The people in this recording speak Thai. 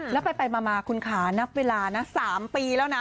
แล้วไปมาคุณขานับเวลานะ๓ปีแล้วนะ